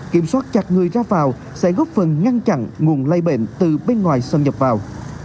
kiểm soát chặt người ra vào sẽ góp phần ngăn chặn nguồn lây bệnh từ bên ngoài xâm nhập vào